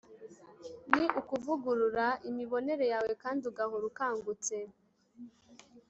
ni ukuvugurura imibonere yawe. kandi ugahora ukangutse